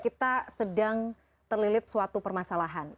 kita sedang terlilit suatu permasalahan